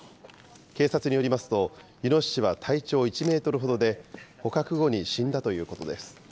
警察によりますと、イノシシは体長１メートルほどで、捕獲後に死んだということです。